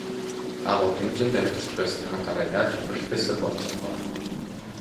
Та гудамжинд амьдарч байсныхаа дараа яаж профессор болж чадав аа?